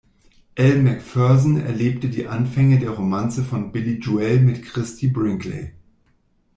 Elle Macpherson erlebte die Anfänge der Romanze von Billy Joel mit Christie Brinkley.